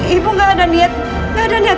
ibu gak ada niat